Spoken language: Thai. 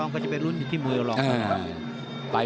ตัวไหนที่เป็นร้องก็จะไปรุ้นพี่มือโไปก